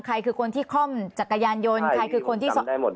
ใครคือคนที่คล่อมจักรยานยนต์ใครคือคนที่สอบได้หมด